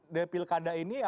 di pilkada ini